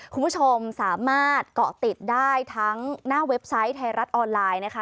คุณผู้ชมสามารถเกาะติดได้ทั้งหน้าเว็บไซต์ไทยรัฐออนไลน์นะคะ